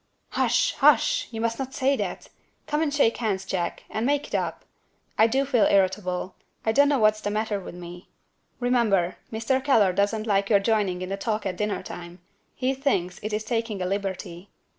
"Hush! hush! you must not say that. Come and shake hands, Jack, and make it up. I do feel irritable I don't know what's the matter with me. Remember, Mr. Keller doesn't like your joining in the talk at dinner time he thinks it is taking a liberty.